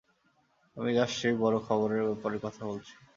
আমরা জাস্ট সেই বড় খবরের ব্যাপারে কথা বলছি।